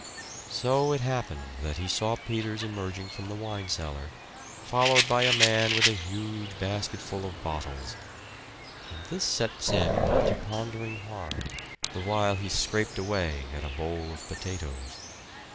So it happened that he saw Peters emerging from the wine cellar, followed by a man with a huge basket full of bottles. And this set Samuel to pondering hard, the while he scraped away at a bowl of potatoes.